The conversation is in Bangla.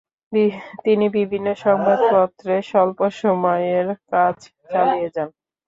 তিনি বিভিন্ন সংবাদপত্রে স্বল্প সময়ের কাজ চালিয়ে যান।